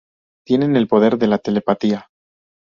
Tienen el poder de la telepatía.